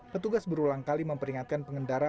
petugas berulang kali memperingatkan pengendara